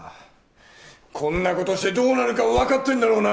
こんな事してどうなるかわかってるんだろうな！？